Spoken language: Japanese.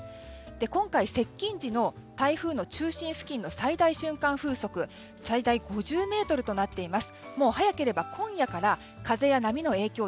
今回、接近時の台風の中心付近の最大瞬間風速が最大５０メートルとなっています。